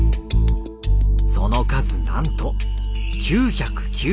その数なんと９９８件。